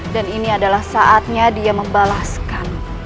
dan ini adalah saatnya dia membalaskan